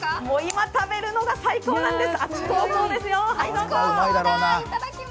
今食べるのが最高なんです。